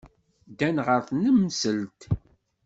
Ddan ɣer tnemselt.